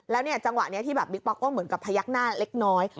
แล้วเนี่ยจังหวะนี้ที่ก็เหมือนพยักษ์หน้าเล็กน้อย